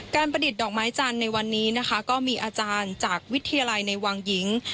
ประดิษฐ์ดอกไม้จันทร์ในวันนี้นะคะก็มีอาจารย์จากวิทยาลัยในวังหญิง